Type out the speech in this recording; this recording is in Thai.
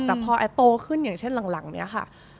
แต่พอแอดโตขึ้นอย่างเช่นหลังเนี่ยค่ะ